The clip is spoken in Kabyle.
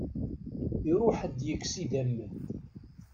Iruḥ ad d-yekkes idammen.